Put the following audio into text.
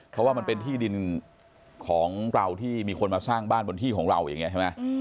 เพราะว่ามันเป็นที่ดินของเราที่มีคนมาสร้างบ้านบนที่ของเราอย่างนี้ใช่ไหม